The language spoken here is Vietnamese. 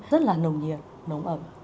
rất là nồng nhiệt nóng ẩm